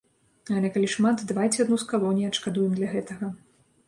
Але калі шмат, давайце адну з калоній адшкадуем для гэтага.